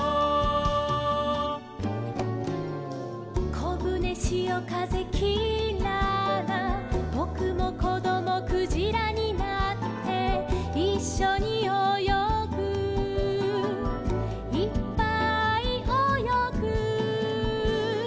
「こぶねしおかぜきらら」「ぼくもこどもクジラになって」「いっしょにおよぐいっぱいおよぐ」